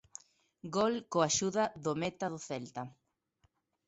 Gol coa axuda do meta do Celta.